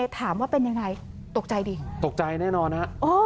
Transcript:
ถามว่าเป็นยังไงตกใจดิตกใจแน่นอนฮะ